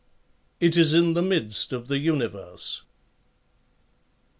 It is in the midst of the universe.